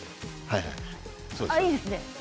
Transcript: いいですね。